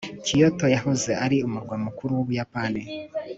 kyoto yahoze ari umurwa mukuru w'ubuyapani